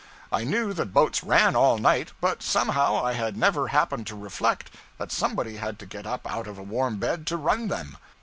I knew that boats ran all night, but somehow I had never happened to reflect that somebody had to get up out of a warm bed to run them.